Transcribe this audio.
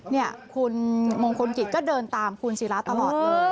นี่คุณมงคลกิจก็เดินตามคุณศิราตลอดเลย